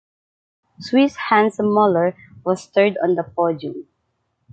Swiss Hans Müller was third on the podium.